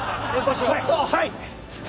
「はい！